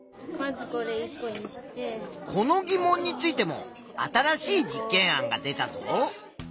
この疑問についても新しい実験案が出たぞ。